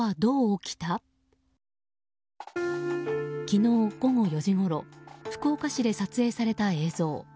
昨日午後４時ごろ福岡市で撮影された映像。